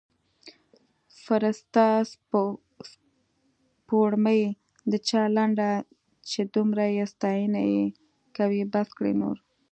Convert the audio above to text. فرسته سپوړمۍ د چا لنډه چې دمره یې ستاینه یې کوي بس کړﺉ نو